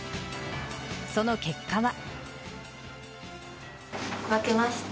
その結果は。